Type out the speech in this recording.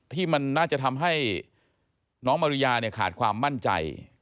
ที่มันน่าจะทำให้น้องมาริยาเนี่ยขาดความมั่นใจ